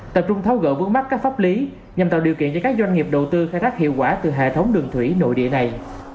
tập trung tháo gỡ vướng mắt các pháp lý nhằm tạo điều kiện cho các doanh nghiệp đầu tư khai thác hiệu quả từ hệ thống đường thủy nội địa này